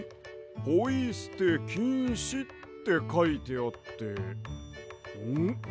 「ポイすてきんし」ってかいてあってんっ？